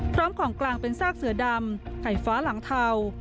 พร้อมของกลางเป็นซากเสือดำไข่ฟ้าหลังเทา